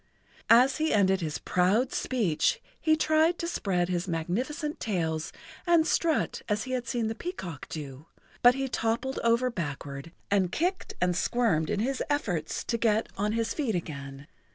As he ended his proud speech he tried to spread his magnificent tails and strut as he had seen the peacock do, but he toppled over backward and kicked and squirmed in his efforts to get on his feet again.